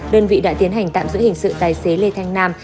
đơn vị đã tiến hành tạm giữ hình sự tài xế lê thanh nam